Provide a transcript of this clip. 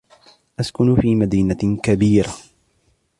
أسكن في مدينة كبيرة.